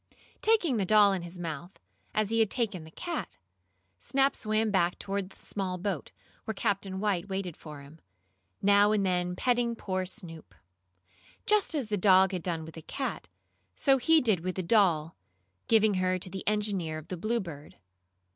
Taking the doll in his mouth, as he had taken the cat, Snap swam back toward the small boat, where Captain White waited for him, now and then petting poor Snoop. Just as the dog had done with the cat, so he did with the doll, giving her to the engineer of the Bluebird.